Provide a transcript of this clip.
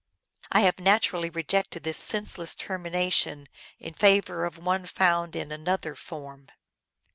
I have naturally rejected this senseless termination in favor of one found in an other form.